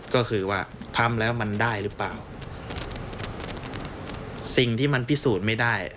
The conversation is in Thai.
ก็คือว่าทำแล้วมันได้หรือเปล่าสิ่งที่มันพิสูจน์ไม่ได้